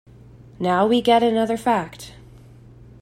Now we get another fact.